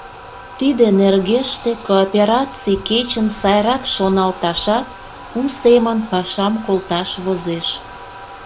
Тиде нергеште коопераций кечын сайрак шоналташат, у семын пашам колташ возеш.